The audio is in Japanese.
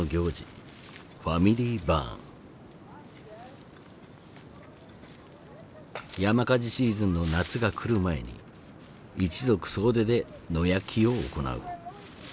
ＦａｍｉｌｙＢｕｒｎ。山火事シーズンの夏が来る前に一族総出で野焼きを行う。